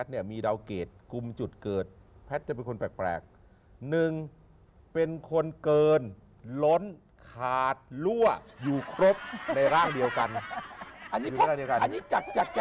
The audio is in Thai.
ใช่หรือเปล่าหรือจากความรู้สึกของอาจารย์